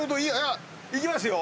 いきますよ。